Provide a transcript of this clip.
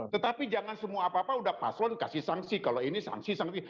tetapi jangan semua apa apa udah paslon kasih sanksi kalau ini sanksi sanksi